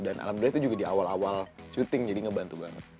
dan alhamdulillah itu juga di awal awal syuting jadi ngebantu banget